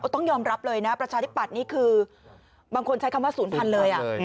ต้องยอมรับเลยนะประชาธิปัตย์นี่คือบางคนใช้คำว่า๐๐เลย